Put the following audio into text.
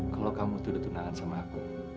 kalo kamu tuduh tunangan sama aku